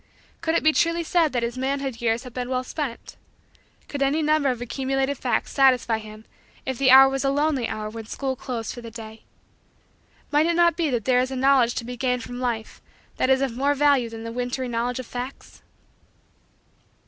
Could it be truly said that his manhood years had been well spent? Could any number of accumulated facts satisfy him if the hour was a lonely hour when school closed for the day? Might it not be that there is a Knowledge to be gained from Life that is of more value than the wintry Knowledge of facts?